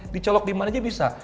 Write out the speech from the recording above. dicolok di mana aja bisa